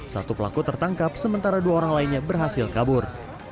satu pelaku tertangkap sementara dua orang lainnya berhasil kabur